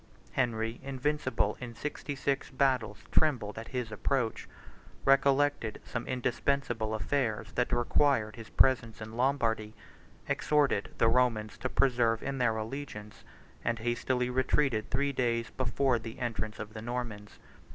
Henry, invincible in sixty six battles, trembled at his approach; recollected some indispensable affairs that required his presence in Lombardy; exhorted the Romans to persevere in their allegiance; and hastily retreated three days before the entrance of the Normans.